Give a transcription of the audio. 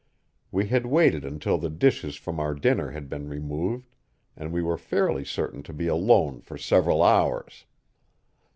We had waited until the dishes from our dinner had been removed, and we were fairly certain to be alone for several hours.